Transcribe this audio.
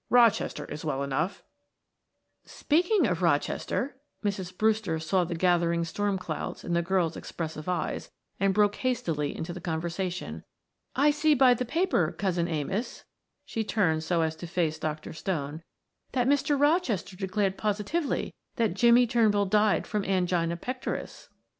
Rochester is well enough " "Speaking of Rochester" Mrs. Brewster saw the gathering storm clouds in the girl's expressive eyes, and broke hastily into the conversation. "I see by the paper, Cousin Amos" she turned so as to face Dr. Stone "that Mr. Rochester declared positively that Jimmie Turnbull died from angina pectoris."